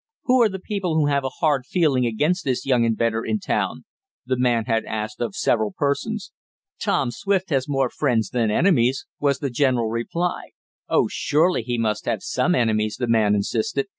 "Who are the people who have a hard feeling against this young inventor in town?" the man had asked of several persons. "Tom Swift has more friends than enemies," was the general reply. "Oh, surely he must have some enemies," the man insisted.